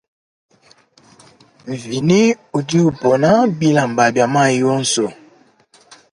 Vinie udi upona bilamba bia mayi onso.